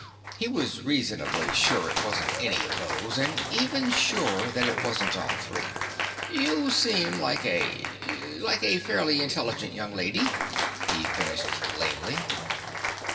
He was reasonably sure it wasn't any of those, and even surer that it wasn't all three. "You seem like a like a fairly intelligent young lady," he finished lamely.